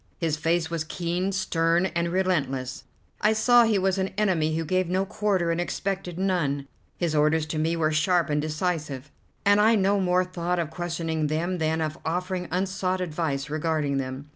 His face was keen, stern, and relentless; I saw he was an enemy who gave no quarter and expected none. His orders to me were sharp and decisive, and I no more thought of questioning them than of offering unsought advice regarding them.